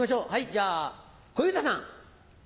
じゃあ小遊三さん。